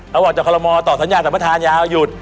เราออกจากคอลโมตอบสัญญาณสัมมทานยาวหยุด